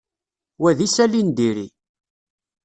Wa d isali n diri.